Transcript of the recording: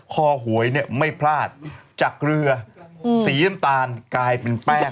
หวยเนี่ยไม่พลาดจากเรือสีน้ำตาลกลายเป็นแป้ง